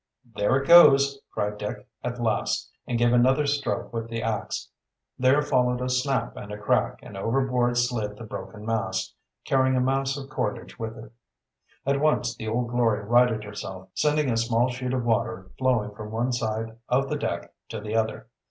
"There it goes!" cried Dick, at last, and gave another stroke with the ax. There followed a snap and a crack, and overboard slid the broken mast, carrying a mass of cordage with it. At once the Old Glory righted herself, sending a small sheet of water flowing from one side of the deck to the other.